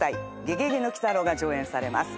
『ゲゲゲの鬼太郎』が上演されます。